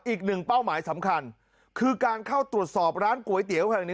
อีกหนึ่งเป้าหมายสำคัญคือการเข้าตรวจสอบร้านก๋วยเตี๋ยวแห่งนี้